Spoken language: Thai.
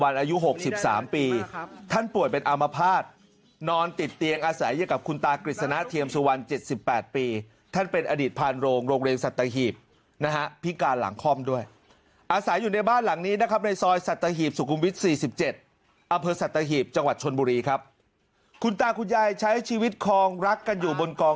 อายุ๖๓ปีท่านป่วยเป็นอามภาษณ์นอนติดเตียงอาศัยอยู่กับคุณตากฤษณะเทียมสุวรรณ๗๘ปีท่านเป็นอดีตผ่านโรงโรงเรียนสัตหีบนะฮะพิการหลังคล่อมด้วยอาศัยอยู่ในบ้านหลังนี้นะครับในซอยสัตหีบสุขุมวิท๔๗อำเภอสัตหีบจังหวัดชนบุรีครับคุณตาคุณยายใช้ชีวิตคลองรักกันอยู่บนกอง